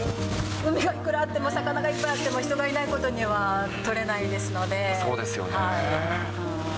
海がいくらあっても、魚がいっぱいあっても人がいないことには取そうですよね。